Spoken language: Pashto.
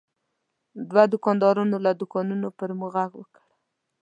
دوه دوکاندارانو له دوکانونو پر موږ غږ وکړ.